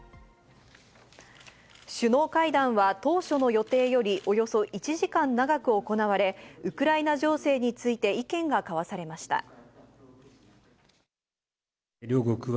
首脳会談は当初の予定よりおよそ１時間長く行われ、ウクライナ情勢について意見が交わされました。